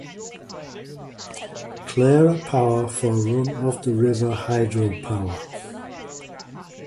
Clara Power for run-of-the-river hydro power.